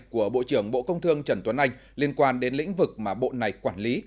của bộ trưởng bộ công thương trần tuấn anh liên quan đến lĩnh vực mà bộ này quản lý